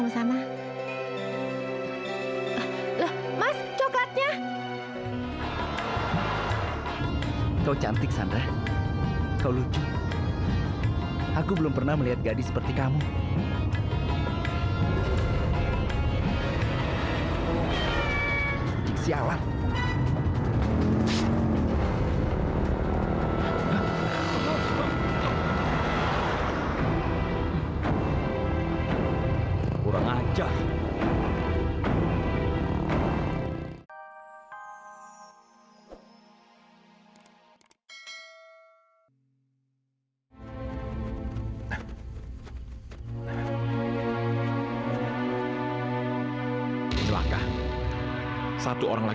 sampai jumpa di video selanjutnya